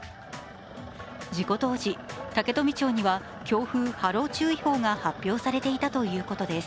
事故当時、竹富町には強風波浪注意報が発表されていたということです。